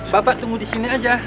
bapak tunggu disini aja